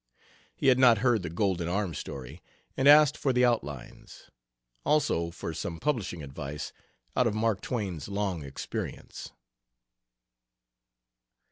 He had not heard the "Golden Arm" story and asked for the outlines; also for some publishing advice, out of Mark Twain's long experience.